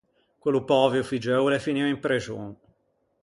Quello pöveo figgeu o l’é finio in prexon.